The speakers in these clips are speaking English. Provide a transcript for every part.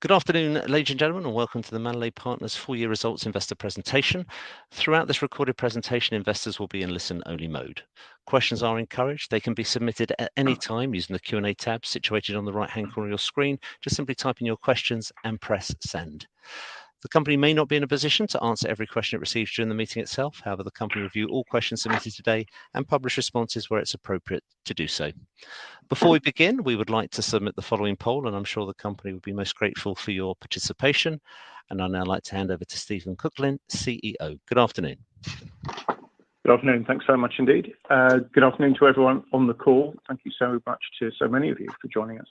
Good afternoon, ladies and gentlemen, and welcome to the Manolete Partners Full Year Results Investor Presentation. Throughout this recorded presentation, investors will be in listen-only mode. Questions are encouraged. They can be submitted at any time using the Q&A tab situated on the right-hand corner of your screen. Just simply type in your questions and press Send. The company may not be in a position to answer every question it receives during the meeting itself. However, the company review all questions submitted today and publish responses where it's appropriate to do so. Before we begin, we would like to submit the following poll, and I'm sure the company would be most grateful for your participation. I'd now like to hand over to Steven Cooklin, CEO. Good afternoon. Good afternoon. Thanks very much indeed. Good afternoon to everyone on the call. Thank you so much to so many of you for joining us.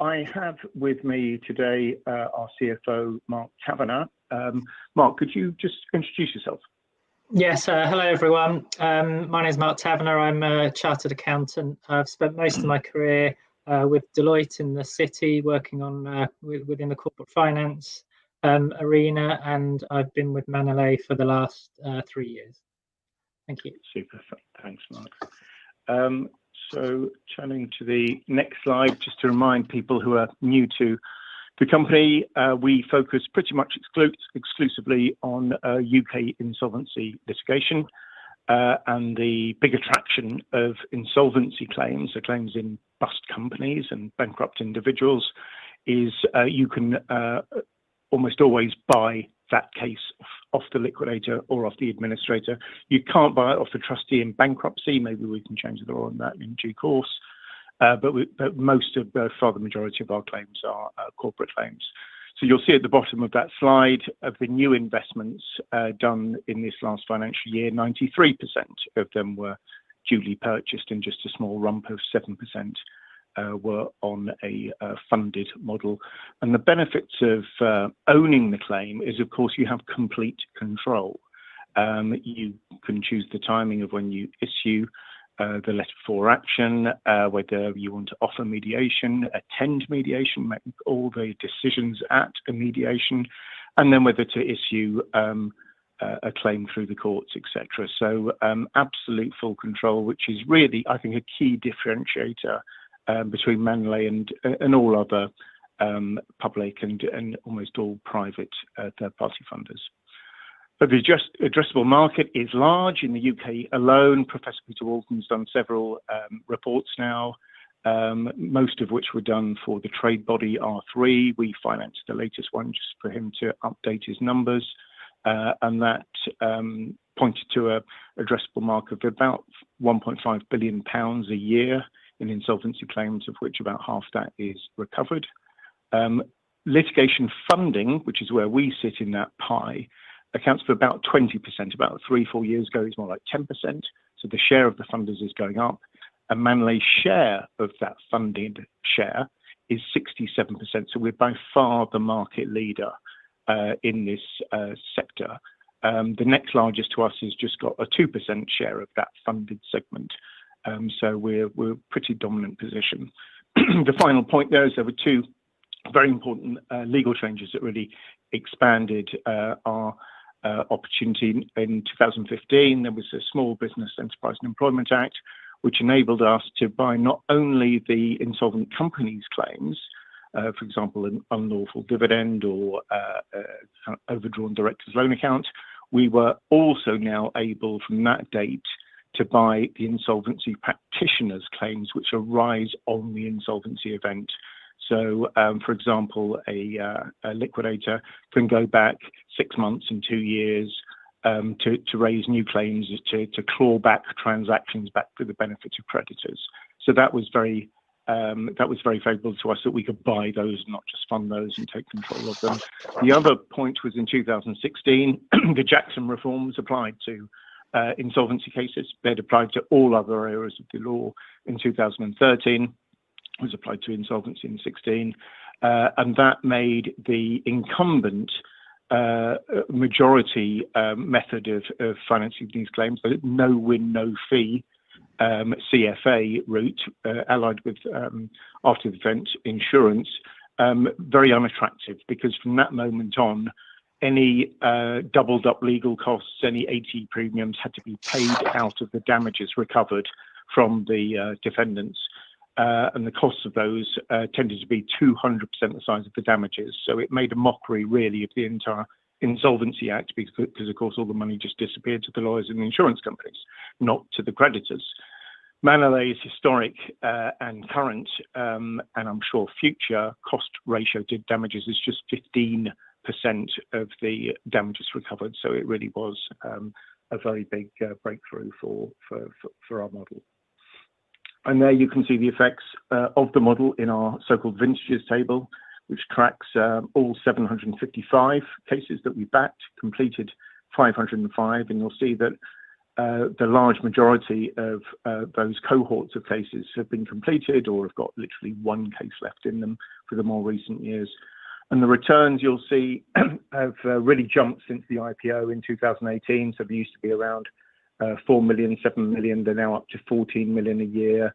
I have with me today, our CFO, Mark Tavener. Mark, could you just introduce yourself? Yes. Hello, everyone. My name is Mark Tavener. I'm a chartered accountant. I've spent most of my career with Deloitte in the city working within the corporate finance arena, and I've been with Manolete for the last three years. Thank you. Super. Thanks, Mark. Turning to the next slide, just to remind people who are new to the company, we focus pretty much exclusively on UK insolvency litigation. The big attraction of insolvency claims or claims in bust companies and bankrupt individuals is you can almost always buy that case off the liquidator or off the administrator. You can't buy it off the trustee in bankruptcy. Maybe we can change the law on that in due course. Most of, by far the majority of our claims are corporate claims. You'll see at the bottom of that slide of the new investments done in this last financial year, 93% of them were duly purchased and just a small rump of 7% were on a funded model. The benefits of owning the claim is, of course, you have complete control. You can choose the timing of when you issue the letter for action, whether you want to offer mediation, attend mediation, make all the decisions at a mediation, and then whether to issue a claim through the courts, et cetera. Absolute full control, which is really, I think, a key differentiator between Manolete and all other public and almost all private third party funders. The addressable market is large in the U.K. alone. Professor Peter Walton has done several reports now, most of which were done for the trade body R3. We financed the latest one just for him to update his numbers, and that pointed to an addressable market of about 1.5 billion pounds a year in insolvency claims, of which about half that is recovered. Litigation funding, which is where we sit in that pie, accounts for about 20%. About three to four years ago, it's more like 10%. The share of the funders is going up. Manolete's share of that funded share is 67%, so we're by far the market leader in this sector. We're in a pretty dominant position. The final point is that there were two very important legal changes that really expanded our opportunity. In 2015, there was a Small Business, Enterprise and Employment Act which enabled us to buy not only the insolvent company's claims, for example, an unlawful dividend or overdrawn director's loan account. We were also now able from that date to buy the insolvency practitioner's claims which arise on the insolvency event. For example, a liquidator can go back six months and two years to raise new claims, to claw back transactions back for the benefit of creditors. That was very favorable to us that we could buy those, not just fund those and take control of them. The other point was in 2016, the Jackson Reforms applied to insolvency cases. They applied to all other areas of the law in 2013, was applied to insolvency in 2016. That made the incumbent majority method of financing these claims, the no win, no fee CFA route allied with after the event insurance very unattractive because from that moment on any doubled up legal costs any ATE premiums had to be paid out of the damages recovered from the defendants. The cost of those tended to be 200% the size of the damages. It made a mockery really of the entire Insolvency Act because of course all the money just disappeared to the lawyers and the insurance companies, not to the creditors. Manolete's historic, and current, and I'm sure future cost ratio to damages is just 15% of the damages recovered. It really was a very big breakthrough for our model. There you can see the effects of the model in our so-called vintages table, which tracks all 755 cases that we backed, completed 505. You'll see that the large majority of those cohorts of cases have been completed or have got literally one case left in them for the more recent years. The returns you'll see have really jumped since the IPO in 2018. They used to be around 4 million, 7 million. They're now up to 14 million a year,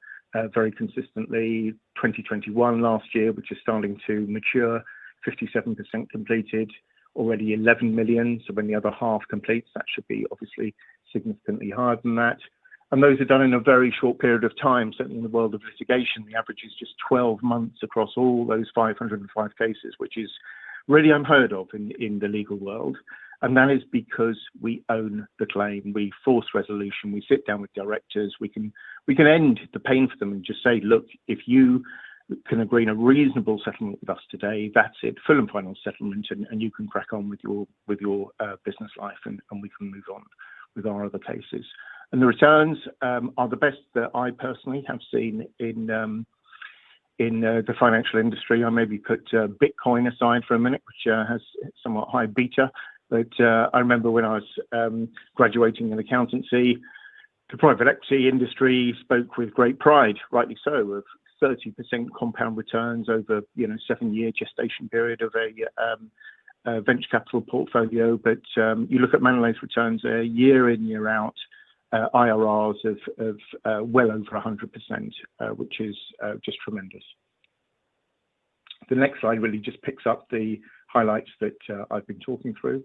very consistently. 2021 last year, which is starting to mature, 57% completed, already 11 million. When the other half completes, that should be obviously significantly higher than that. Those are done in a very short period of time. Certainly in the world of litigation, the average is just 12 months across all those 505 cases, which is really unheard of in the legal world. That is because we own the claim, we force resolution, we sit down with directors, we can end the pain for them and just say, "Look, if you can agree on a reasonable settlement with us today, that's it. Full and final settlement, and you can crack on with your business life and we can move on with our other cases." The returns are the best that I personally have seen in the financial industry. I maybe put Bitcoin aside for a minute, which has a somewhat high beta. But I remember when I was graduating in accountancy, the private equity industry spoke with great pride, rightly so, of 30% compound returns over, you know, seven-year gestation period of a venture capital portfolio. But you look at Manolete's returns year in, year out, IRRs of well over 100%, which is just tremendous. The next slide really just picks up the highlights that I've been talking through.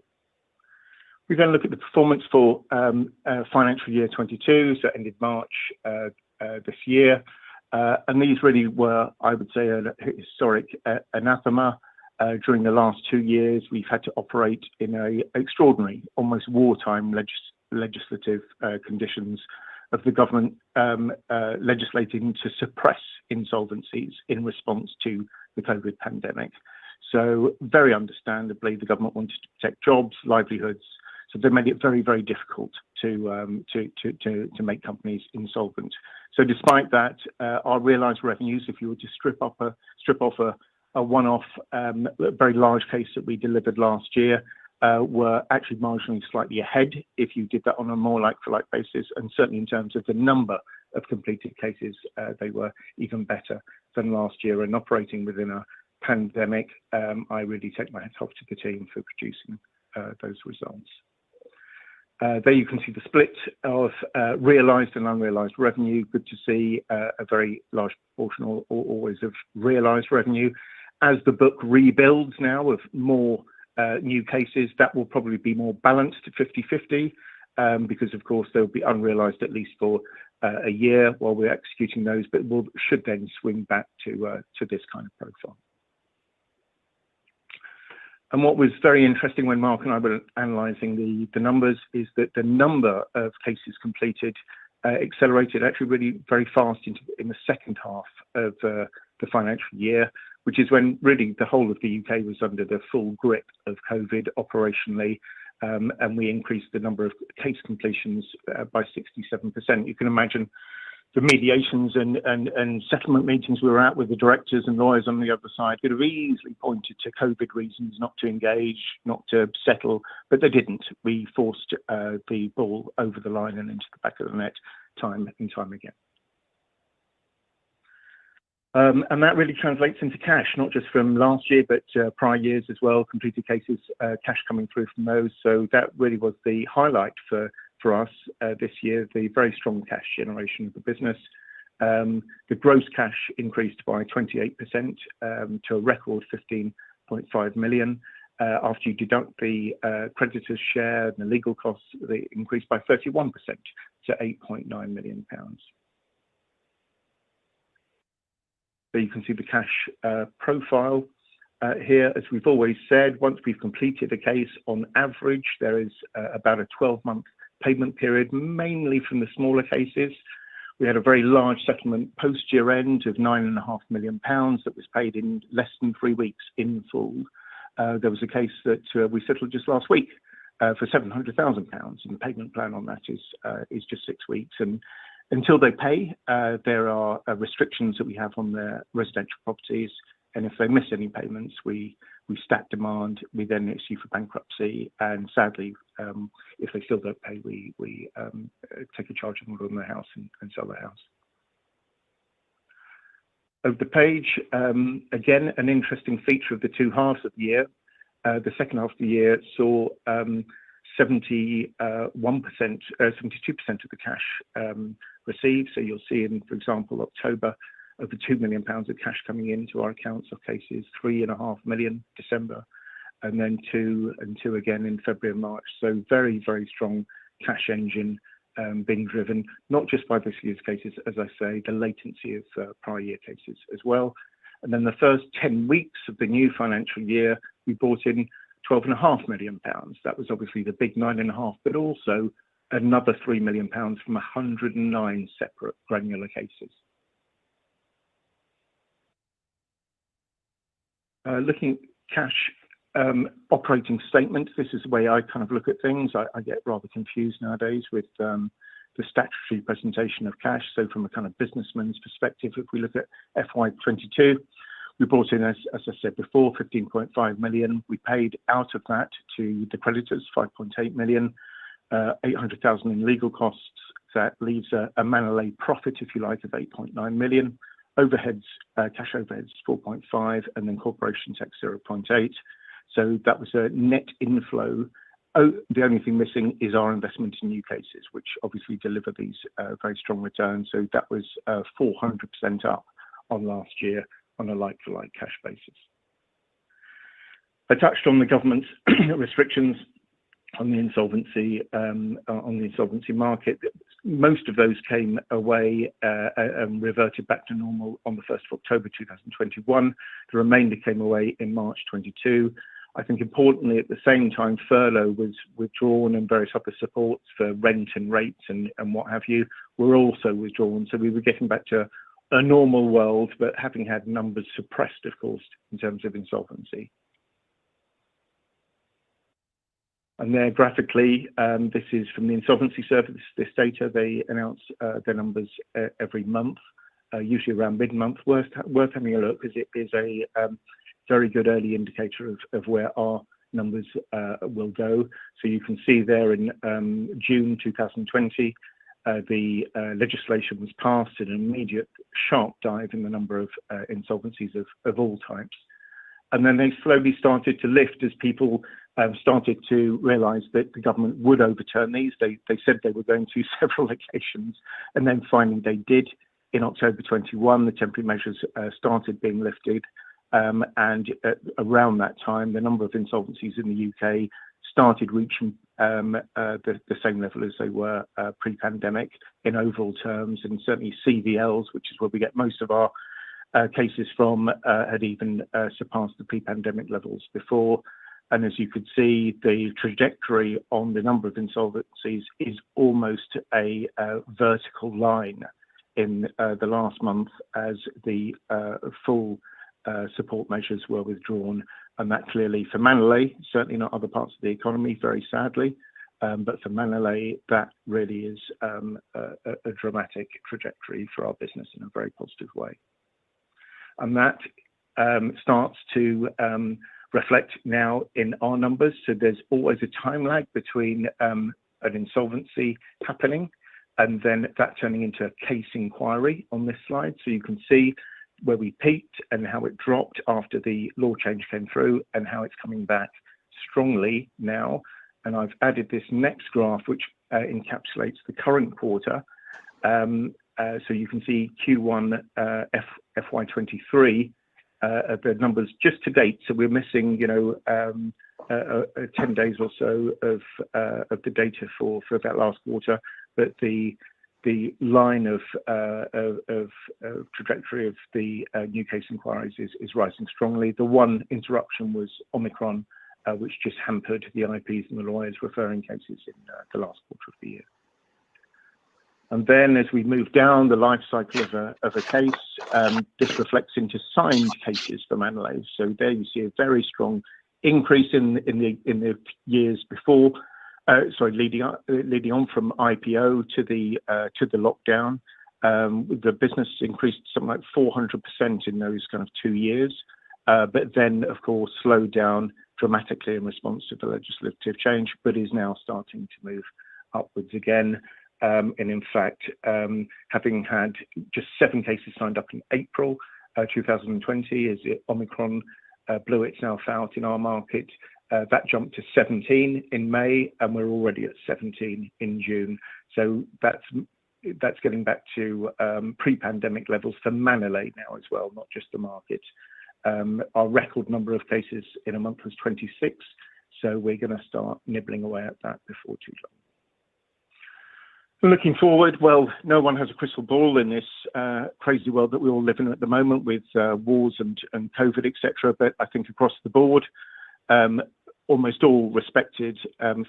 We look at the performance for financial year 2022, so that ended March this year. These really were, I would say, a historic anathema. During the last two years, we've had to operate in an extraordinary, almost wartime legislative conditions of the government legislating to suppress insolvencies in response to the COVID pandemic. Very understandably, the government wanted to protect jobs, livelihoods, so they made it very difficult to make companies insolvent. Despite that, our realized revenues, if you were to strip off a one-off very large case that we delivered last year, were actually marginally slightly ahead if you did that on a more like for like basis. Certainly in terms of the number of completed cases, they were even better than last year. Operating within a pandemic, I really take my hat off to the team for producing those results. There you can see the split of realized and unrealized revenue. Good to see a very large proportion always of realized revenue. As the book rebuilds now with more new cases, that will probably be more balanced to 50-50. Because of course, they'll be unrealized at least for a year while we're executing those, but we should then swing back to this kind of profile. What was very interesting when Mark and I were analyzing the numbers is that the number of cases completed accelerated actually really very fast in the second half of the financial year, which is when really the whole of the U.K. was under the full grip of COVID operationally. We increased the number of case completions by 67%. You can imagine the mediations and settlement meetings we were at with the directors and lawyers on the other side could have easily pointed to COVID reasons not to engage, not to settle, but they didn't. We forced the ball over the line and into the back of the net time and time again. That really translates into cash, not just from last year, but prior years as well. Completed cases cash coming through from those. That really was the highlight for us this year, the very strong cash generation of the business. The gross cash increased by 28% to a record 15.5 million. After you deduct the creditors' share and the legal costs, they increased by 31% to 8.9 million pounds. You can see the cash profile here. As we've always said, once we've completed the case, on average, there is about a 12-month payment period, mainly from the smaller cases. We had a very large settlement post year-end of 9.5 million pounds that was paid in less than three weeks in full. There was a case that we settled just last week for 700,000 pounds, and the payment plan on that is just 6 weeks. Until they pay, there are restrictions that we have on their residential properties, and if they miss any payments, we statutory demand. We then petition for bankruptcy, and sadly, if they still don't pay, we take a charge and go in their house and sell their house. Over the page, again, an interesting feature of the two halves of the year. The second half of the year saw 72% of the cash received. So you'll see, for example, in October, over 2 million pounds of cash coming into our accounts from cases, 3.5 million December, and then 2 and 2 again in February and March. Very very strong cash engine, being driven not just by this year's cases, as I say, the latency of prior year cases as well. The first 10 weeks of the new financial year, we brought in 12 and a half million. That was obviously the big 9 and a half, but also another 3 million pounds from 109 separate granular cases. Looking at cash operating statement, this is the way I kind of look at things. I get rather confused nowadays with the statutory presentation of cash. From a kind of businessman's perspective, if we look at FY 2022, we brought in, as I said before, 15.5 million. We paid out of that to the creditors, 5.8 million, 800,000 in legal costs. That leaves a Manolete's profit, if you like, of 8.9 million. Overheads, cash overheads, 4.5 million, and then corporation tax, 0.8 million. That was a net inflow. Oh, the only thing missing is our investment in new cases, which obviously deliver these very strong returns. That was 400% up on last year on a like to like cash basis. At the end of the government's restrictions on the insolvency market, most of those came away, reverted back to normal on the first of October 2021. The remainder came away in March 2022. I think importantly, at the same time, furlough was withdrawn and various other supports for rent and rates and what have you were also withdrawn. We were getting back to a normal world, but having had numbers suppressed, of course, in terms of insolvency. There graphically, this is from the Insolvency Service. This data, they announce, their numbers every month, usually around mid-month. Worth having a look 'cause it is a very good early indicator of where our numbers will go. You can see there in June 2020, the legislation was passed in an immediate sharp dive in the number of insolvencies of all types. Then they slowly started to lift as people started to realize that the government would overturn these. They said they were going to several occasions, and then finally they did in October 2021, the temporary measures started being lifted. Around that time, the number of insolvencies in the UK started reaching the same level as they were pre-pandemic in overall terms. Certainly CVLs, which is where we get most of our cases from, had even surpassed the pre-pandemic levels before. As you can see, the trajectory on the number of insolvencies is almost a vertical line in the last month as the full support measures were withdrawn. That clearly for Manolete, certainly not other parts of the economy, very sadly. For Manolete, that really is a dramatic trajectory for our business in a very positive way. That starts to reflect now in our numbers. There's always a time lag between an insolvency happening and then that turning into a case inquiry on this slide. You can see where we peaked and how it dropped after the law change came through and how it's coming back strongly now. I've added this next graph, which encapsulates the current quarter. You can see Q1 FY 2023, the numbers just to date. We're missing, you know, 10 days or so of trajectory of the new case inquiries is rising strongly. The one interruption was Omicron, which just hampered the IPs and the lawyers referring cases in the last quarter of the year. As we move down the life cycle of a case, this reflects into signed cases for Manolete. There you see a very strong increase in the years before, leading on from IPO to the lockdown. The business increased something like 400% in those kind of two years, but then of course slowed down dramatically in response to the legislative change but is now starting to move upwards again. In fact, having had just sevencases signed up in April 2020 as Omicron blew itself out in our market, that jumped to 17 in May, and we're already at 17 in June. That's getting back to pre-pandemic levels for Manolete now as well, not just the market. Our record number of cases in a month was 26, so we're gonna start nibbling away at that before too long. Looking forward, well, no one has a crystal ball in this crazy world that we all live in at the moment with wars and COVID, et cetera. I think across the board, almost all respected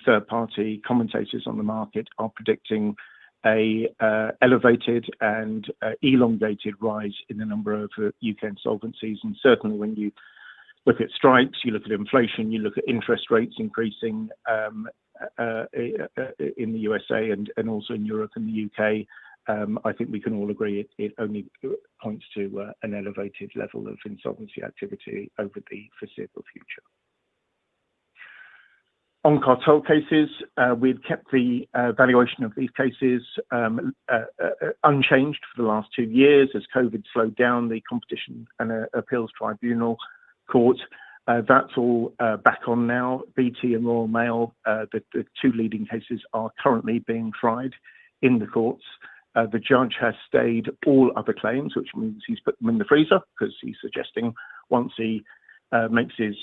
third-party commentators on the market are predicting a elevated and a elongated rise in the number of U.K. insolvencies. Certainly when you look at strikes, you look at inflation, you look at interest rates increasing in the USA and also in Europe and the U.K., I think we can all agree it only points to an elevated level of insolvency activity over the foreseeable future. On cartel cases, we've kept the valuation of these cases unchanged for the last two years as COVID slowed down the Competition Appeal Tribunal. That's all back on now. BT and Royal Mail, the two leading cases are currently being tried in the courts. The judge has stayed all other claims, which means he's put them in the freezer 'cause he's suggesting once he makes his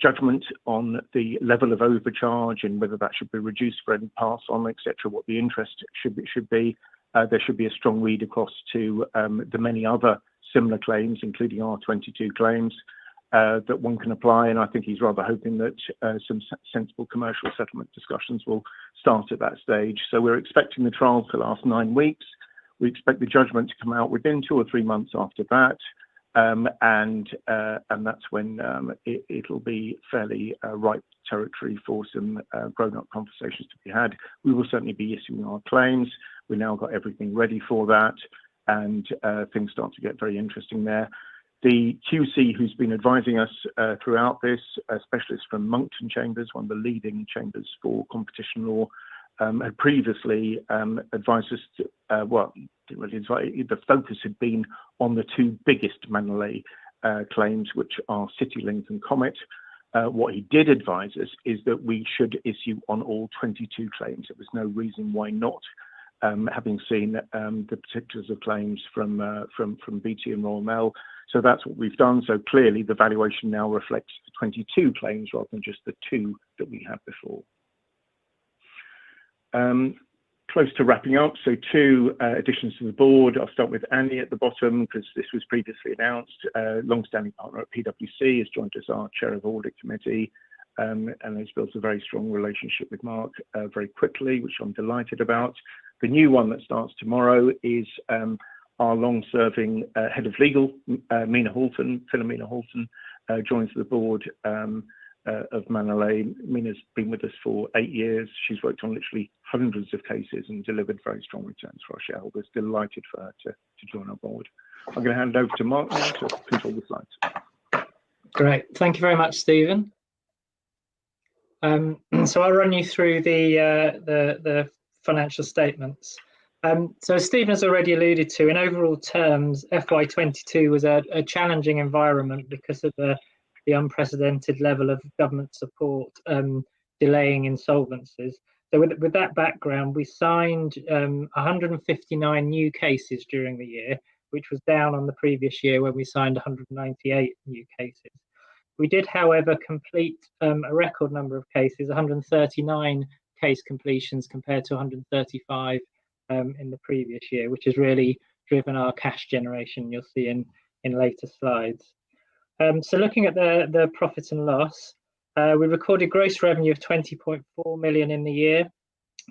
judgment on the level of overcharge and whether that should be reduced or any pass on, et cetera, what the interest should be. There should be a strong read across to the many other similar claims, including our 22 claims that one can apply. I think he's rather hoping that some sensible commercial settlement discussions will start at that stage. We're expecting the trial to last 9 weeks. We expect the judgment to come out within 2 or 3 months after that, and that's when it'll be fairly ripe territory for some grown-up conversations to be had. We will certainly be issuing our claims. We've now got everything ready for that, and things start to get very interesting there. The QC who's been advising us throughout this, a specialist from Monckton Chambers, one of the leading chambers for competition law, had previously advised us to well, didn't really advise. The focus had been on the two biggest Manolete claims, which are CityLink and Comet Group. What he did advise us is that we should issue on all 22 claims. There was no reason why not, having seen the particulars of claims from BT and Royal Mail. That's what we've done. Clearly the valuation now reflects the 22 claims rather than just the 2 that we had before. Close to wrapping up, so 2 additions to the board. I'll start with Andy at the bottom 'cause this was previously announced. Longstanding partner at PwC. He's joined as our chair of audit committee, and he's built a very strong relationship with Mark very quickly, which I'm delighted about. The new one that starts tomorrow is our long-serving head of legal, Mena Halton, joins the board of Manolete. Mena's been with us for 8 years. She's worked on literally hundreds of cases and delivered very strong returns for our shareholders. Delighted for her to join our board. I'm gonna hand over to Mark now to conclude the slides. Great. Thank you very much, Steven. I'll run you through the financial statements. Steven has already alluded to, in overall terms, FY 2022 was a challenging environment because of the unprecedented level of government support delaying insolvencies. With that background, we signed 159 new cases during the year, which was down on the previous year, where we signed 198 new cases. We did, however, complete a record number of cases, 139 case completions compared to 135 in the previous year, which has really driven our cash generation, you'll see in later slides. Looking at the profit and loss, we recorded gross revenue of 20.4 million in the year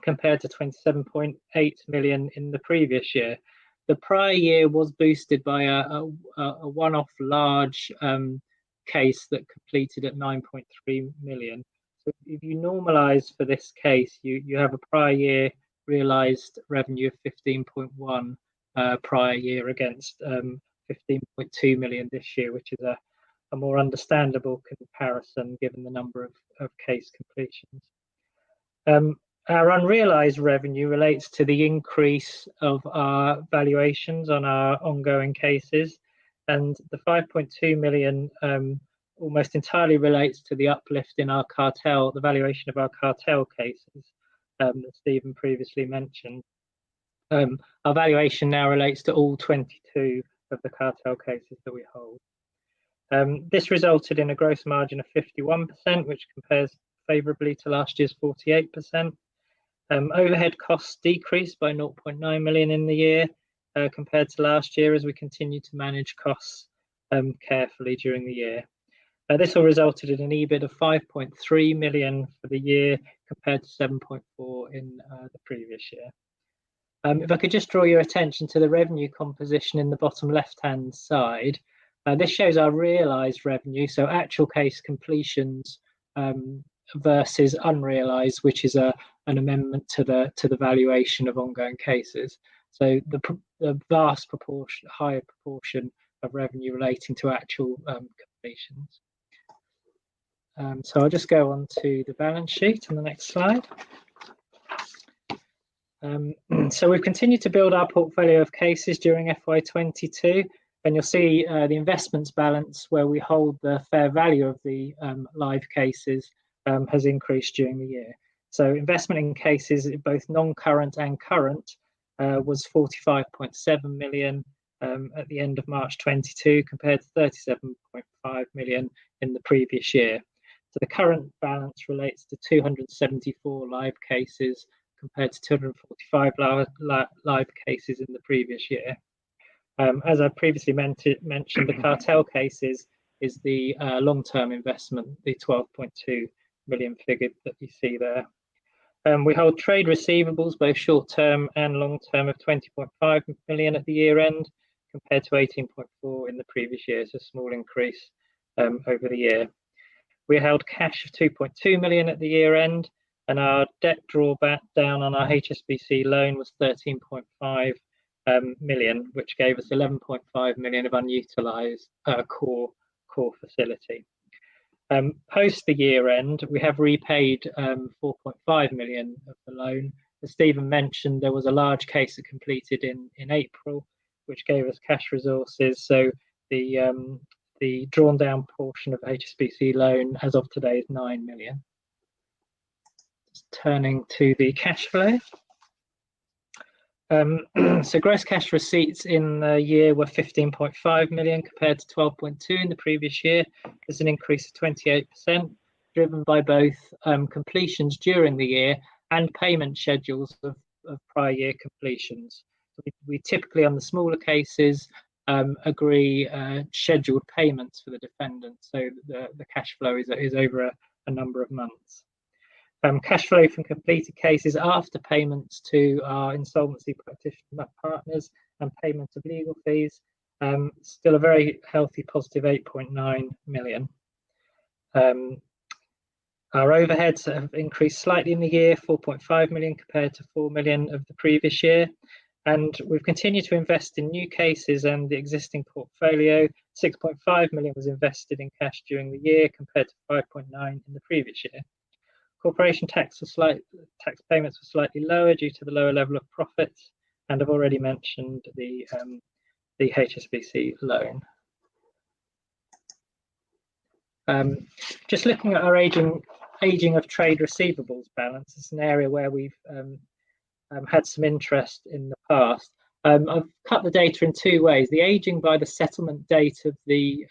compared to 27.8 million in the previous year. The prior year was boosted by a one-off large case that completed at 9.3 million. If you normalize for this case, you have a prior year realized revenue of 15.1 prior year against 15.2 million this year, which is a more understandable comparison given the number of case completions. Our unrealized revenue relates to the increase of our valuations on our ongoing cases, and the 5.2 million almost entirely relates to the uplift in our valuation of our cartel cases that Steven previously mentioned. Our valuation now relates to all 22 of the cartel cases that we hold. This resulted in a gross margin of 51%, which compares favorably to last year's 48%. Overhead costs decreased by 0.9 million in the year, compared to last year, as we continued to manage costs carefully during the year. This all resulted in an EBIT of 5.3 million for the year compared to 7.4 million in the previous year. If I could just draw your attention to the revenue composition in the bottom left-hand side. This shows our realized revenue, so actual case completions, versus unrealized, which is an amendment to the valuation of ongoing cases. The vast proportion, higher proportion of revenue relating to actual completions. I'll just go on to the balance sheet on the next slide. We've continued to build our portfolio of cases during FY 2022, and you'll see the investments balance where we hold the fair value of the live cases has increased during the year. Investment in cases, in both non-current and current, was 45.7 million at the end of March 2022 compared to 37.5 million in the previous year. The current balance relates to 274 live cases compared to 245 live cases in the previous year. As I previously mentioned, the cartel cases is the long-term investment, the 12.2 million figure that you see there. We hold trade receivables, both short-term and long-term, of 20.5 million at the year-end compared to 18.4 million in the previous year. It's a small increase over the year. We held cash of 2.2 million at the year-end, and our debt drawdown on our HSBC loan was 13.5 million, which gave us 11.5 million of unutilized core facility. Post the year-end, we have repaid 4.5 million of the loan. As Steven mentioned, there was a large case that completed in April, which gave us cash resources, so the drawn down portion of HSBC loan as of today is 9 million. Just turning to the cash flow. Gross cash receipts in the year were 15.5 million compared to 12.2 million in the previous year. There's an increase of 28% driven by both completions during the year and payment schedules of prior year completions. We typically, on the smaller cases, agree scheduled payments for the defendants, so the cash flow is over a number of months. Cash flow from completed cases after payments to our insolvency practitioner partners and payments of legal fees still a very healthy positive 8.9 million. Our overheads have increased slightly in the year, 4.5 million compared to 4 million of the previous year, and we've continued to invest in new cases and the existing portfolio. 6.5 million was invested in cash during the year compared to 5.9 million in the previous year. Tax payments were slightly lower due to the lower level of profits, and I've already mentioned the HSBC loan. Just looking at our aging of trade receivables balance. It's an area where we've had some interest in the past. I've cut the data in two ways. The aging by the settlement date of the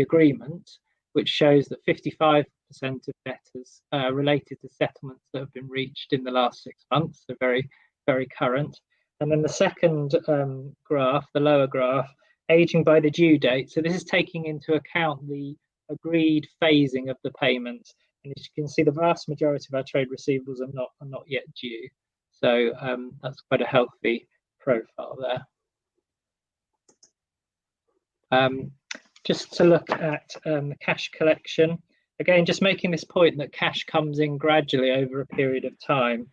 agreement, which shows that 55% of debtors related to settlements that have been reached in the last six months, so very, very current. Then the second graph, the lower graph, aging by the due date. This is taking into account the agreed phasing of the payment. As you can see, the vast majority of our trade receivables are not yet due. That's quite a healthy profile there. Just to look at the cash collection. Again, just making this point that cash comes in gradually over a period of time.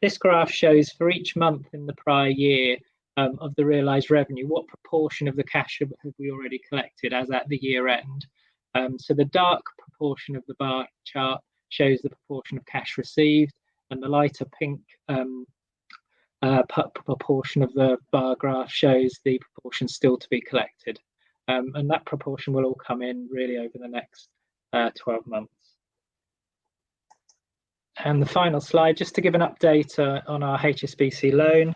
This graph shows for each month in the prior year, of the realized revenue, what proportion of the cash have we already collected as at the year-end. The dark proportion of the bar chart shows the proportion of cash received, and the lighter pink proportion of the bar graph shows the proportion still to be collected. That proportion will all come in really over the next 12 months. The final slide, just to give an update, on our HSBC loan.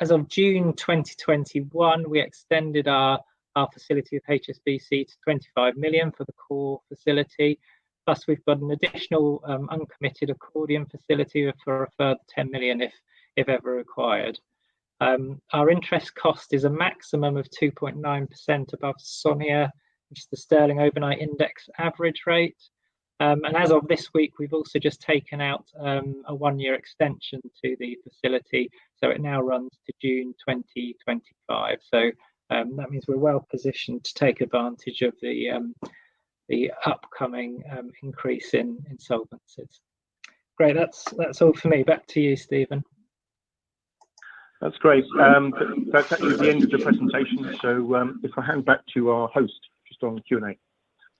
As of June 2021, we extended our facility with HSBC to 25 million for the core facility, plus we've got an additional uncommitted accordion facility for a further 10 million if ever required. Our interest cost is a maximum of 2.9% above SONIA, which is the Sterling Overnight Index Average Rate. As of this week, we've also just taken out a one-year extension to the facility, so it now runs to June 2025. That means we're well positioned to take advantage of the upcoming increase in insolvencies. Great. That's all from me. Back to you, Steven. That's great. That's actually the end of the presentation, so, if I hand back to our host just on the Q&A.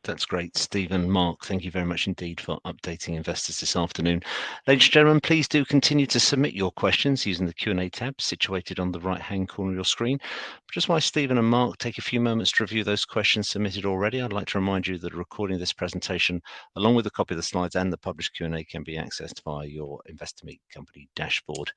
That's great. Steven, Mark, thank you very much indeed for updating investors this afternoon. Ladies and gentlemen, please do continue to submit your questions using the Q&A tab situated on the right-hand corner of your screen. Just while Steven and Mark take a few moments to review those questions submitted already, I'd like to remind you that a recording of this presentation, along with a copy of the slides and the published Q&A, can be accessed via your Investor Meet Company dashboard.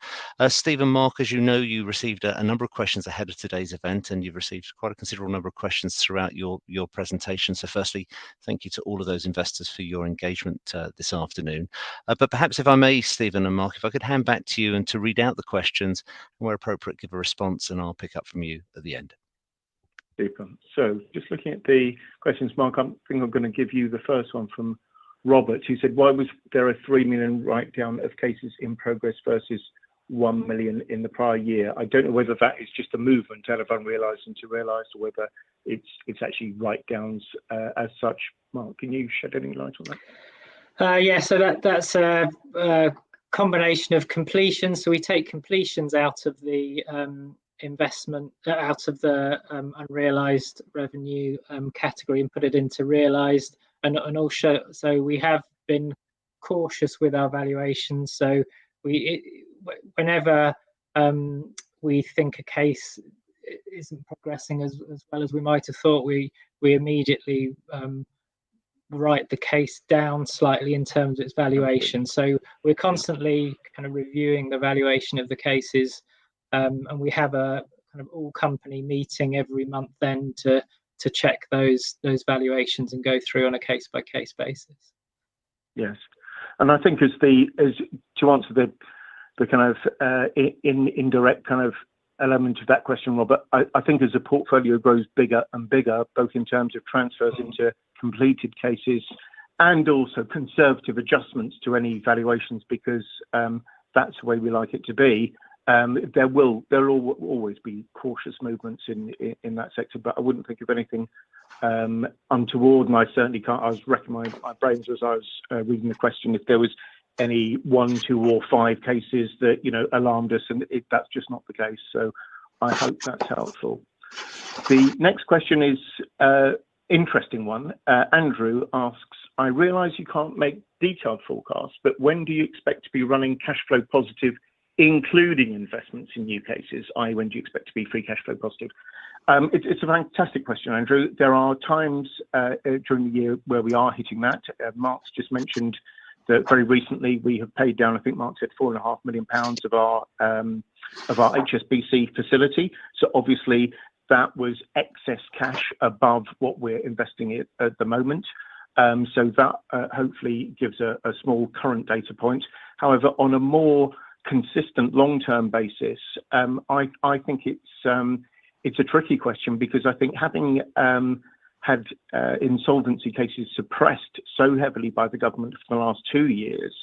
Steven, Mark, as you know, you received a number of questions ahead of today's event, and you've received quite a considerable number of questions throughout your presentation. Firstly, thank you to all of those investors for your engagement this afternoon. Perhaps if I may, Steven and Mark, if I could hand back to you and to read out the questions and where appropriate, give a response, and I'll pick up from you at the end. Steven. Just looking at the questions, Mark, I think I'm gonna give you the first one from Robert. He said, "Why was there a 3 million write-down of cases in progress versus 1 million in the prior year? I don't know whether that is just a movement out of unrealized into realized or whether it's actually write-downs as such." Mark, can you shed any light on that? Yeah. That's a combination of completions. We take completions out of the unrealized revenue category and put it into realized. We have been cautious with our valuations. Whenever we think a case isn't progressing as well as we might have thought, we immediately write the case down slightly in terms of its valuation. We're constantly kind of reviewing the valuation of the cases. We have a kind of all-company meeting every month then to check those valuations and go through on a case-by-case basis. Yes. I think as the to answer the kind of indirect kind of element of that question, Robert, I think as the portfolio grows bigger and bigger, both in terms of transfers into completed cases and also conservative adjustments to any valuations because that's the way we like it to be, there'll always be cautious movements in in that sector. But I wouldn't think of anything untoward, and I certainly can't I was racking my brains as I was reading the question if there was any one, two, or five cases that you know alarmed us, and that's just not the case. I hope that's helpful. The next question is an interesting one. Andrew asks, "I realize you can't make detailed forecasts, but when do you expect to be running cash flow positive, including investments in new cases? i.e., when do you expect to be free cash flow positive?" It's a fantastic question, Andrew. There are times during the year where we are hitting that. Mark's just mentioned that very recently we have paid down, I think Mark said 4.5 million pounds of our HSBC facility. Obviously that was excess cash above what we're investing at the moment. That hopefully gives a small current data point. However, on a more consistent long-term basis, I think it's a tricky question because I think having had insolvency cases suppressed so heavily by the government for the last two years,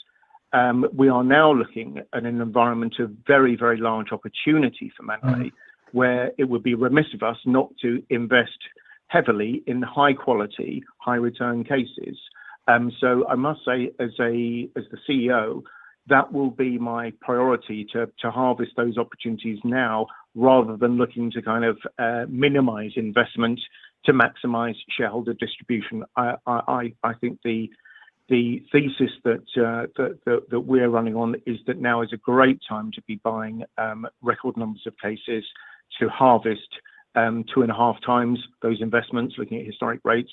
we are now looking at an environment of very, very large opportunity for Manolete where it would be remiss of us not to invest heavily in high quality, high return cases. I must say as the CEO, that will be my priority to harvest those opportunities now rather than looking to kind of minimize investment to maximize shareholder distribution. I think the thesis that we're running on is that now is a great time to be buying record numbers of cases to harvest two and a half times those investments, looking at historic rates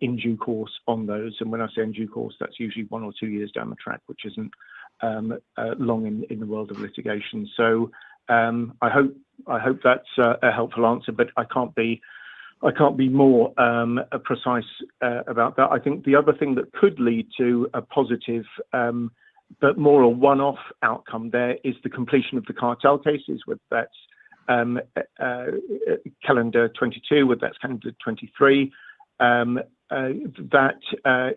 in due course on those. When I say in due course, that's usually one or two years down the track, which isn't long in the world of litigation. I hope that's a helpful answer, but I can't be more precise about that. I think the other thing that could lead to a positive but more a one-off outcome there is the completion of the cartel cases, whether that's calendar 2022, whether that's calendar 2023.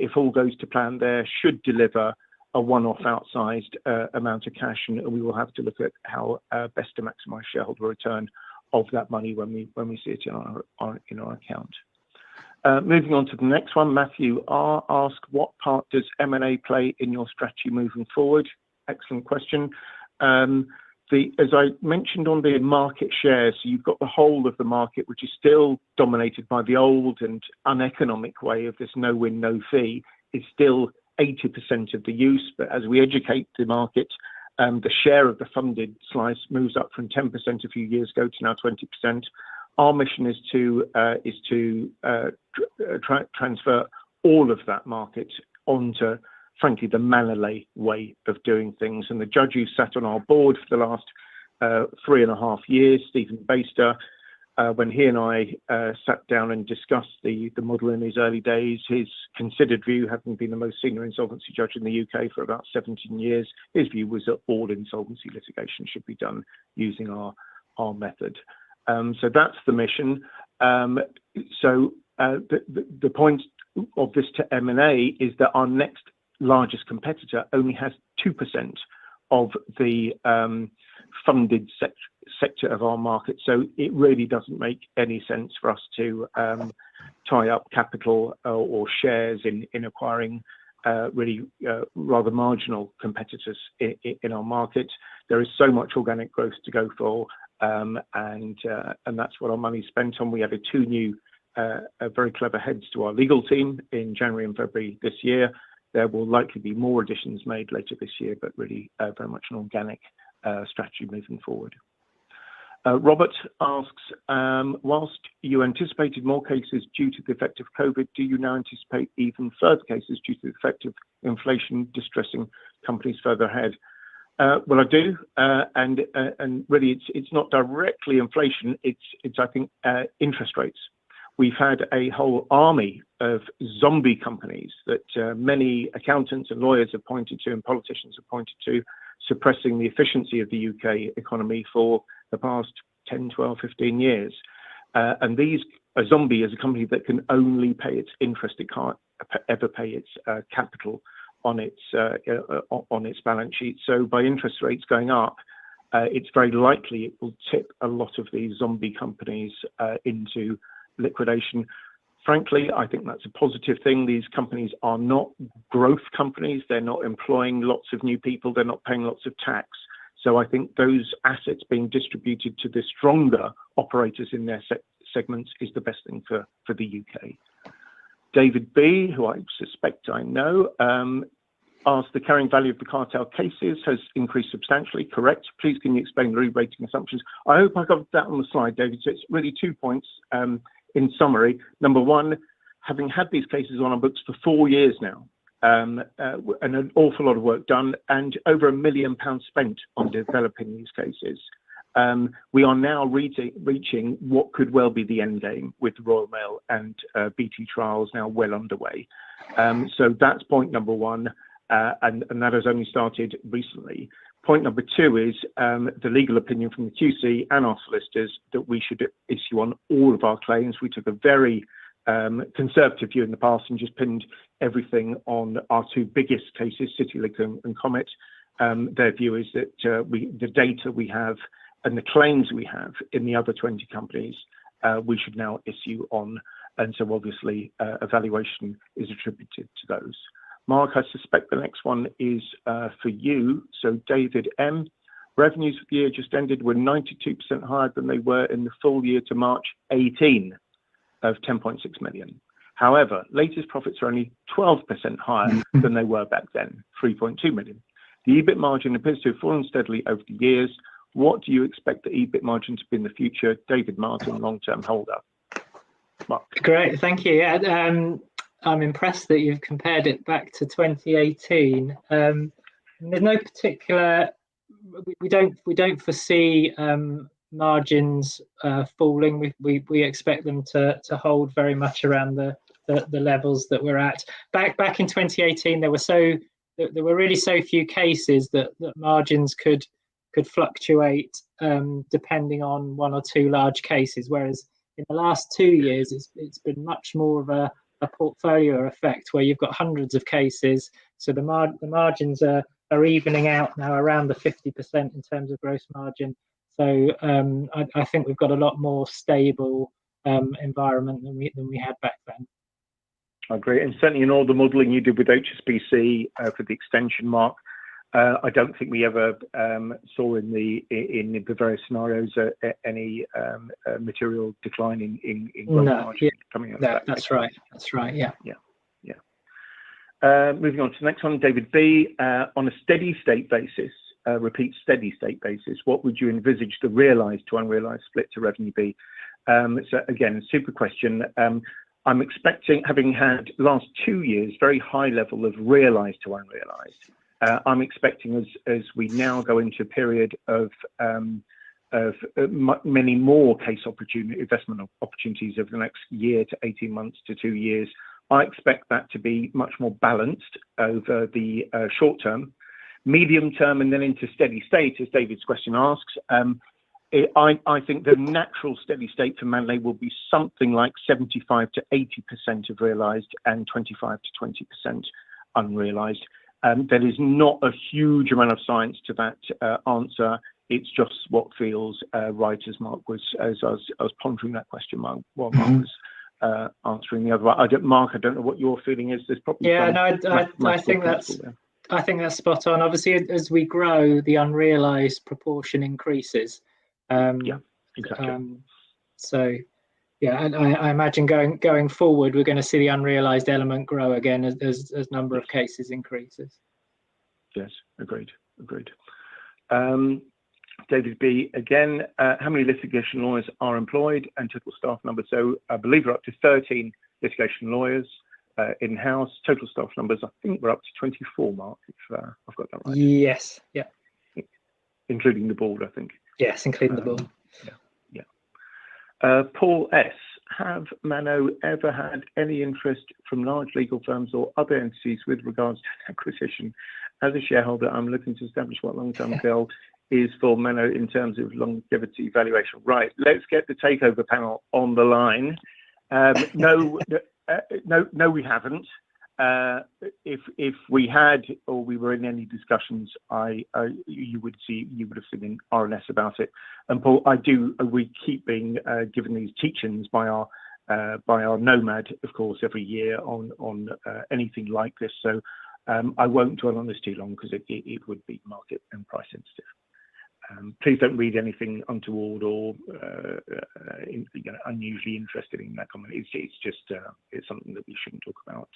If all goes to plan there should deliver a one-off outsized amount of cash, and we will have to look at how best to maximize shareholder return of that money when we see it in our account. Moving on to the next one, Matthew R. asked: What part does M&A play in your strategy moving forward? Excellent question. As I mentioned on the market shares, you've got the whole of the market, which is still dominated by the old and uneconomic way of this no win, no fee is still 80% of the use. As we educate the market, the share of the funded slice moves up from 10% a few years ago to now 20%. Our mission is to transfer all of that market onto, frankly, the Manolete way of doing things. The judge who sat on our board for the last three and a half years, Steven Baister, when he and I sat down and discussed the model in his early days, his considered view, having been the most senior insolvency judge in the U.K. for about 17 years, his view was that all insolvency litigation should be done using our method. That's the mission. The point of this to M&A is that our next largest competitor only has 2% of the funded sector of our market. It really doesn't make any sense for us to tie up capital or shares in acquiring really rather marginal competitors in our market. There is so much organic growth to go for, and that's what our money's spent on. We added two new very clever heads to our legal team in January and February this year. There will likely be more additions made later this year, but really very much an organic strategy moving forward. Robert asks: While you anticipated more cases due to the effect of COVID, do you now anticipate even further cases due to the effect of inflation distressing companies further ahead? Well, I do. Really, it's not directly inflation, it's I think interest rates. We've had a whole army of zombie companies that, many accountants and lawyers have pointed to, and politicians have pointed to, suppressing the efficiency of the U.K. economy for the past 10, 12, 15 years. A zombie is a company that can only pay its interest. It can't ever pay its capital on its balance sheet. By interest rates going up, it's very likely it will tip a lot of these zombie companies into liquidation. Frankly, I think that's a positive thing. These companies are not growth companies. They're not employing lots of new people. They're not paying lots of tax. I think those assets being distributed to the stronger operators in their segments is the best thing for the U.K. David B, who I suspect I know, asks: The carrying value of the cartel cases has increased substantially. Correct. Please can you explain the re-rating assumptions? I hope I covered that on the slide, David. It's really two points, in summary. Number one, having had these cases on our books for four years now, and an awful lot of work done and over 1 million pounds spent on developing these cases, we are now reaching what could well be the end game with Royal Mail and BT trials now well underway. That's point number one. That has only started recently. Point number two is, the legal opinion from the QC and our solicitors that we should issue on all of our claims. We took a very conservative view in the past and just pinned everything on our two biggest cases, CityLink and Comet. Their view is that the data we have and the claims we have in the other 20 companies we should now issue on, obviously a valuation is attributed to those. Mark, I suspect the next one is for you. David M: Revenues for the year just ended were 92% higher than they were in the full year to March 2018 of 10.6 million. However, latest profits are only 12% higher than they were back then, 3.2 million. The EBIT margin appears to have fallen steadily over the years. What do you expect the EBIT margin to be in the future? David Martin, long-term holder. Mark? Great. Thank you. Yeah. I'm impressed that you've compared it back to 2018. There's no particular. We don't foresee margins falling. We expect them to hold very much around the levels that we're at. Back in 2018, there were really so few cases that margins could fluctuate depending on one or two large cases. Whereas in the last two years, it's been much more of a portfolio effect where you've got hundreds of cases. So the margins are evening out now around the 50% in terms of gross margin. So I think we've got a lot more stable environment than we had back then. I agree. Certainly in all the modeling you did with HSBC for the extension, Mark, I don't think we ever saw in the various scenarios any material decline in. No. coming out of that. That's right. Yeah. Yeah. Moving on to the next one, David B. "On a steady state basis, what would you envisage the realized to unrealized split to revenue be?" So again, super question. I'm expecting having had last two years very high level of realized to unrealized. I'm expecting as we now go into a period of many more case opportunity investment opportunities over the next year to 18 months to two years. I expect that to be much more balanced over the short term, medium term, and then into steady state, as David's question asks. I think the natural steady state for Manolete will be something like 75% to 80% realized and 25% to 20% unrealized. There is not a huge amount of science to that answer. It's just what feels right as I was pondering that question while Mark was- Mm-hmm. Answering the other one. Mark, I don't know what your feeling is. There's probably some Yeah. No, I think that's. Yeah. I think that's spot on. Obviously, as we grow, the unrealized proportion increases. Yeah. Exactly Yeah. I imagine going forward, we're gonna see the unrealized element grow again as number of cases increases. Yes. Agreed. David B. again. "How many litigation lawyers are employed and total staff numbers?" I believe we're up to 13 litigation lawyers, in-house. Total staff numbers, I think we're up to 24 Mark, if I've got that right. Yes. Yeah. Including the board, I think. Yes. Including the board. Paul S. "Have Manolete ever had any interest from large legal firms or other entities with regards to acquisition? As a shareholder, I'm looking to establish what long-term build is for Manolete in terms of longevity valuation." Right. Let's get the Takeover Panel on the line. No, no we haven't. If we had or we were in any discussions, you would've seen an RNS about it. Paul, we keep being given these teachings by our Nomad, of course, every year on anything like this. I won't dwell on this too long 'cause it would be market and price sensitive. Please don't read anything untoward or, you know, unusually interested in that comment. It's just something that we shouldn't talk about.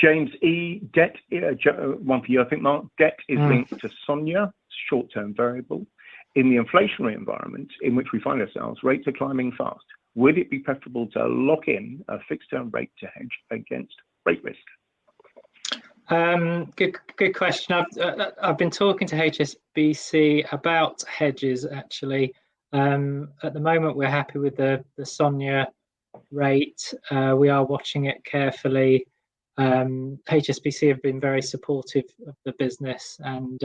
James E. Question one for you, I think, Mark. "Debt is linked to SONIA, short-term variable. In the inflationary environment in which we find ourselves, rates are climbing fast. Would it be preferable to lock in a fixed term rate to hedge against rate risk? Good question. I've been talking to HSBC about hedges actually. At the moment we're happy with the SONIA rate. We are watching it carefully. HSBC have been very supportive of the business and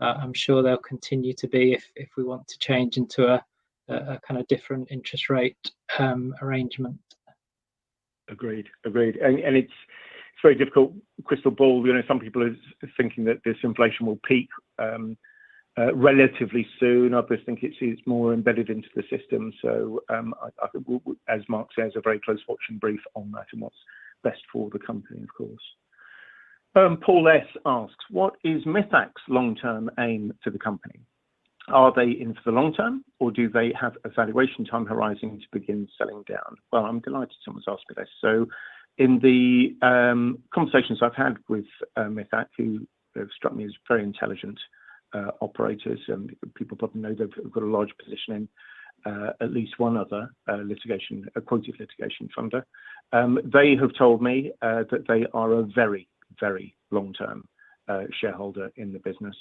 I'm sure they'll continue to be if we want to change into a kind of different interest rate arrangement. Agreed. It's very difficult crystal ball. You know, some people are thinking that this inflation will peak relatively soon. Others think it's more embedded into the system. I think we, as Mark says, are very closely watching and briefed on that and what's best for the company, of course. Paul S. asks, "What is Mithaq's long-term aim for the company? Are they in for the long term or do they have a valuation time horizon to begin selling down?" Well, I'm delighted someone's asked me this. In the conversations I've had with Mithaq, who have struck me as very intelligent operators, people probably know they've got a large position in at least one other litigation, a quantitative litigation funder. They have told me that they are a very, very long-term shareholder in the business.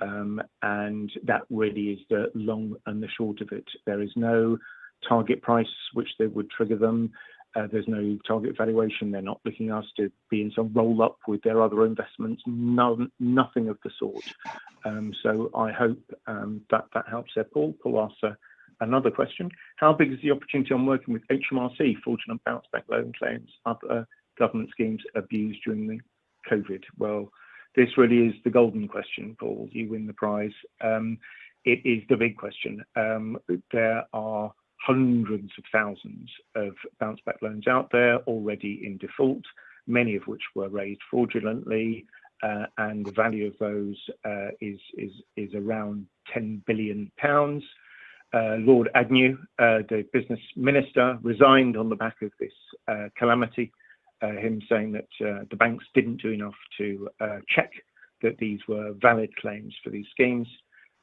That really is the long and the short of it. There is no target price which they would trigger them. There's no target valuation. They're not looking at us to be in some roll-up with their other investments. No, nothing of the sort. I hope that that helps there. Paul asks another question, "How big is the opportunity on working with HMRC fraudulent bounce back loan claims, other government schemes abused during the COVID?" Well, this really is the golden question, Paul. You win the prize. It is the big question. There are hundreds of thousands of bounce back loans out there already in default, many of which were raised fraudulently. The value of those is around 10 billion pounds. Lord Agnew, the business minister, resigned on the back of this calamity, him saying that the banks didn't do enough to check that these were valid claims for these schemes.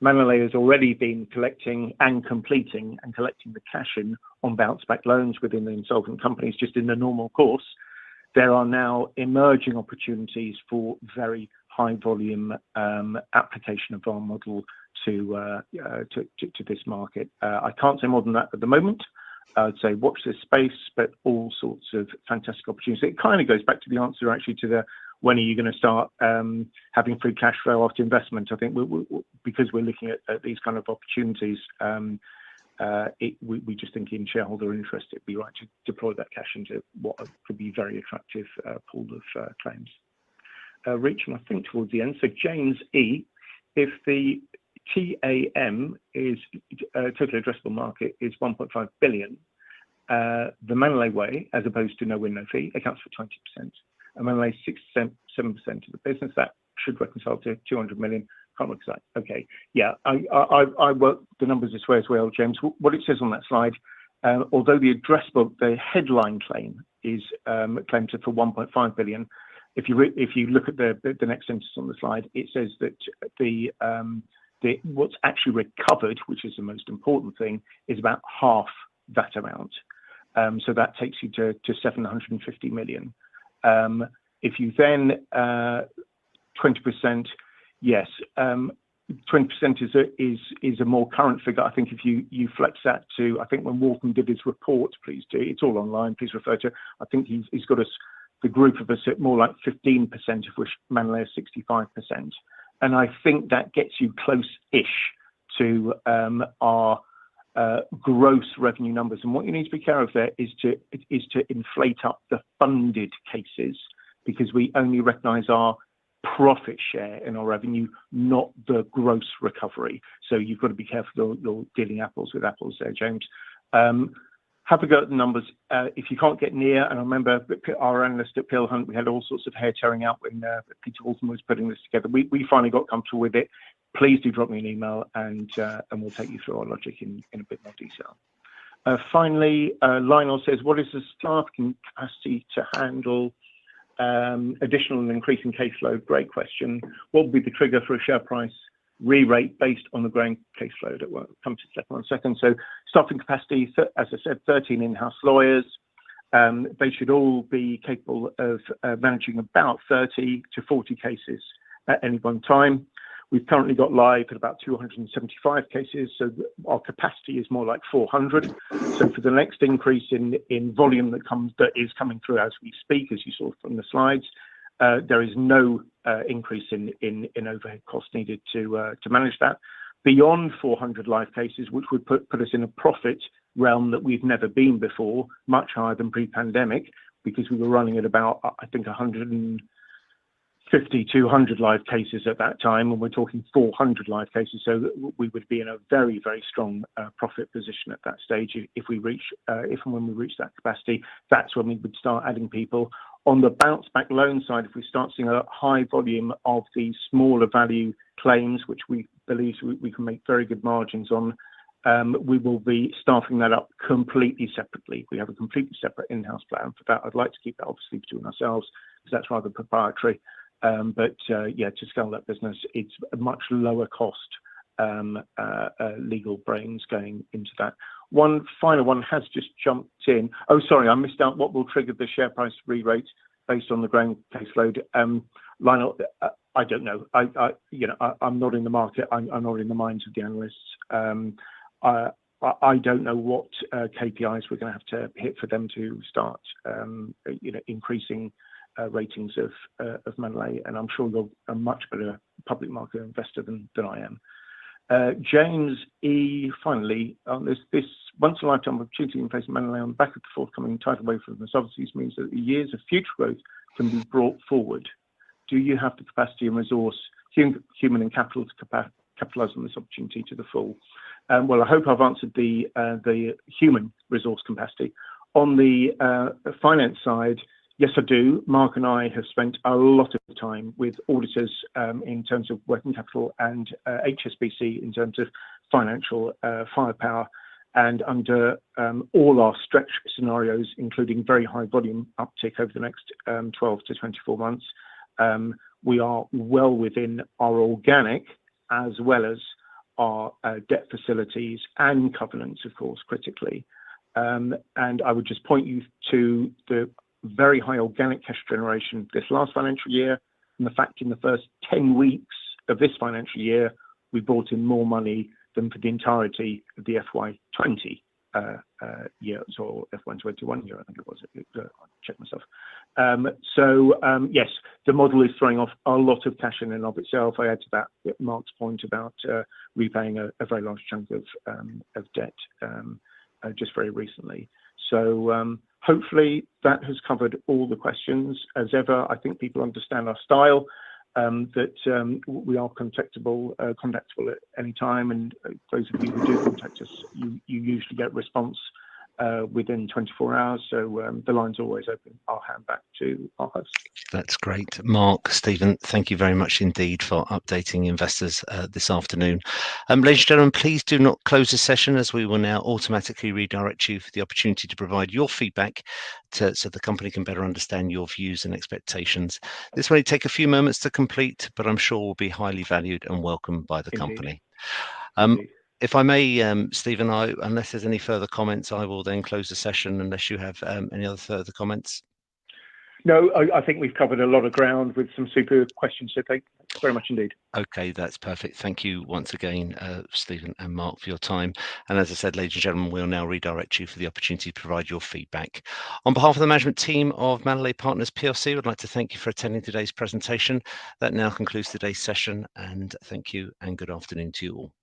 Manolete has already been collecting and completing the cash in on bounce back loans within the insolvent companies just in the normal course. There are now emerging opportunities for very high volume application of our model to this market. I can't say more than that at the moment. I would say watch this space, but all sorts of fantastic opportunities. It kind of goes back to the answer actually to the when are you gonna start having free cash flow after investment? I think because we're looking at these kind of opportunities, we just think in shareholder interest it'd be right to deploy that cash into what could be very attractive pool of claims. Reaching, I think, towards the end. James E, if the TAM is total addressable market is 1.5 billion, the Manolete way as opposed to no win, no fee accounts for 20%. And Manolete 6%-7% of the business, that should reconcile to 200 million. Can't work this out. Okay. Yeah. I work the numbers this way as well, James. What it says on that slide, although the addressable, the headline claim is claims for 1.5 billion. If you look at the next sentence on the slide, it says that the what's actually recovered, which is the most important thing, is about half that amount. So that takes you to 750 million. If you then 20%. Yes, 20% is a more current figure. I think if you flex that to. I think when Morgan did his report, please do. It's all online. Please refer to it. I think he's got us the group of us at more like 15%, of which Manolete is 65%. I think that gets you close-ish to our gross revenue numbers. What you need to be careful there is to inflate up the funded cases because we only recognize our profit share in our revenue, not the gross recovery. You've got to be careful you're dealing apples with apples there, James. Have a go at the numbers. If you can't get near, and I remember that our analyst at Peel Hunt, we had all sorts of hair-tearing-out when Peter Walton was putting this together. We finally got comfortable with it. Please do drop me an email and we'll take you through our logic in a bit more detail. Finally, Lionel says, "What is the staffing capacity to handle additional and increasing caseload?" Great question. What would be the trigger for a share price re-rate based on the growing caseload?" We'll come to that one in a second. Staffing capacity, so as I said, 13 in-house lawyers. They should all be capable of managing about 30 to 40 cases at any one time. We've currently got live at about 275 cases, so our capacity is more like 400. For the next increase in volume that is coming through as we speak, as you saw from the slides, there is no increase in overhead costs needed to manage that. Beyond 400 live cases, which would put us in a profit realm that we've never been before, much higher than pre-pandemic. Because we were running at about, I think 150 to 200 live cases at that time, and we're talking 400 live cases. We would be in a very, very strong profit position at that stage if and when we reach that capacity. That's when we would start adding people. On the bounce back loan side, if we start seeing a high volume of the smaller value claims, which we believe we can make very good margins on, we will be staffing that up completely separately. We have a completely separate in-house plan for that. I'd like to keep that obviously between ourselves 'cause that's rather proprietary. To scale that business, it's a much lower cost legal brains going into that. One final one has just jumped in. Oh, sorry, I missed out. "What will trigger the share price re-rate based on the growing caseload?" Lionel, I don't know. You know, I'm not in the market. I'm not in the minds of the analysts. I don't know what KPIs we're gonna have to hit for them to start, you know, increasing ratings of Manolete, and I'm sure you're a much better public market investor than I am. James E, finally. This once in a lifetime opportunity in place at Manolete on the back of the forthcoming tidal wave of mis-ops use means that the years of future growth can be brought forward. Do you have the capacity and resource, human and capital, capitalizing this opportunity to the full? Well, I hope I've answered the human resource capacity. On the finance side, yes, I do. Mark and I have spent a lot of time with auditors in terms of working capital and HSBC in terms of financial firepower. Under all our stretch scenarios, including very high volume uptick over the next 12 to 24 months, we are well within our organic as well as our debt facilities and covenants, of course, critically. I would just point you to the very high organic cash generation this last financial year and the fact in the first 10 weeks of this financial year, we brought in more money than for the entirety of the FY 2020 year or FY 2021 year, I think it was. Yes, the model is throwing off a lot of cash in and of itself. I add to that Mark's point about repaying a very large chunk of debt just very recently. Hopefully, that has covered all the questions. As ever, I think people understand our style, that we are contactable at any time. Those of you who do contact us, you usually get a response within 24 hours. The line's always open. I'll hand back to our host. That's great. Mark, Steven, thank you very much indeed for updating investors this afternoon. Ladies and gentlemen, please do not close the session as we will now automatically redirect you for the opportunity to provide your feedback too, so the company can better understand your views and expectations. This may take a few moments to complete, but I'm sure will be highly valued and welcomed by the company. Indeed. If I may, Steven, unless there's any further comments, I will then close the session unless you have any other further comments. No. I think we've covered a lot of ground with some superb questions. Thank you very much indeed. Okay. That's perfect. Thank you once again, Steven and Mark, for your time. As I said, ladies and gentlemen, we'll now redirect you for the opportunity to provide your feedback. On behalf of the management team of Manolete Partners PLC, we'd like to thank you for attending today's presentation. That now concludes today's session, and thank you and good afternoon to you all.